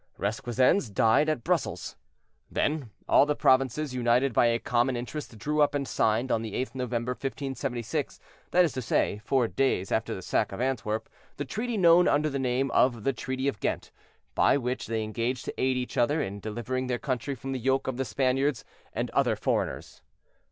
Requesens died at Brussels. Then all the provinces, united by a common interest, drew up and signed, on the 8th November, 1576, that is to say four days after the sack of Antwerp, the treaty known under the name of the Treaty of Ghent, by which they engaged to aid each other in delivering their country from the yoke of the Spaniards and other foreigners.